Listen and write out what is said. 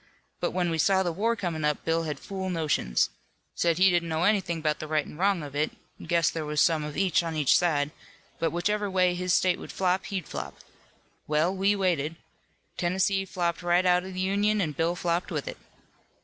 But when we saw the war comin' up, Bill had fool notions. Said he didn't know anything 'bout the right an' wrong of it, guessed there was some of each on each side, but whichever way his state would flop, he'd flop. Well, we waited. Tennessee flopped right out of the Union an' Bill flopped with it.